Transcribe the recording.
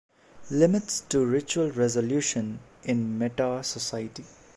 Limits to Ritual Resolution in Meta' Society.